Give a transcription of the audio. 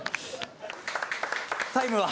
「タイムは？」